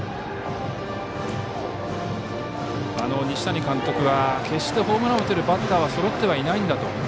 西谷監督は決してホームランを打てるバッターはそろってはいないんだと。